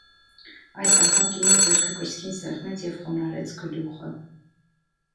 Այս անգամ կինը ձեռքը կրծքին սեղմեց և խոնարհեց գլուխը: